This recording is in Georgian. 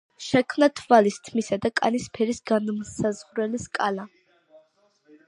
შექმნა თვალის, თმისა და კანის ფერის განმსაზღვრელი სკალა.